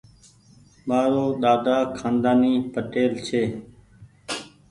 مآرو ۮاۮا کآندآني پٽيل ڇي۔